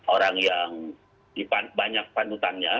orang yang banyak panutannya